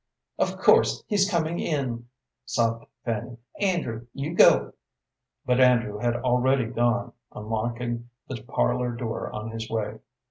"Of course he's comin' in," sobbed Fanny. "Andrew, you go " But Andrew had already gone, unlocking the parlor door on his way.